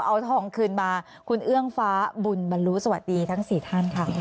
เอาทองคืนมาคุณเอื้องฟ้าบุญบรรลุสวัสดีทั้ง๔ท่านค่ะ